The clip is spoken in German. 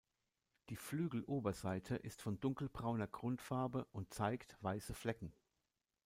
Die Flügeloberseite ist von dunkelbrauner Grundfarbe und zeigt weiße Flecken.